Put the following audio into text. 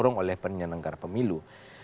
yang diperoleh penyelenggara pemilu